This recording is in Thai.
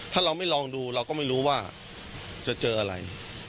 ถ้าเราไม่ลองดูเราก็ไม่รู้ว่าจะเจออะไร